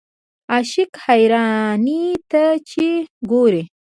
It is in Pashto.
عاشق حیرانۍ ته چې ګورې.